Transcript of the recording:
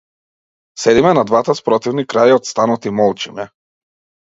Седиме на двата спротивни краја од станот и молчиме.